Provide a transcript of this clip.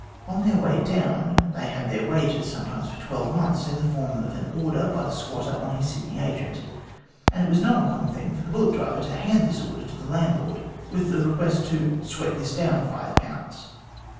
On their way down they had their wages sometimes for twelve months in the form of an order by the squatter on his Sydney agent, and it was no uncommon thing for the bullock driver to hand this order to the landlord with the request to { sweat this down five pounds.'